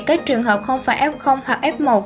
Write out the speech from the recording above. các trường hợp không phải f hoặc f một